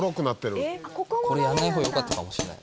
これやらない方がよかったかもしれない。